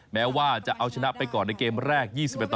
แม้ว่าจะเอาชนะไปก่อนในเกมแรก๒๑ต่อ